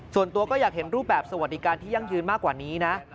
ส่วนตัวก็อยากเห็นรูปแบบสวัสดิการที่ยั่งยืนมากกว่านี้นะ